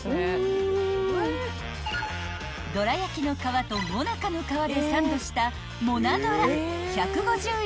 ［どらやきの皮と最中の皮でサンドした］